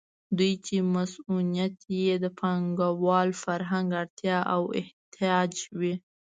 دوی چې مصونیت یې د پانګوال فرهنګ اړتیا او احتیاج وي.